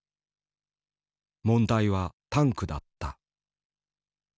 問題はタンクだった。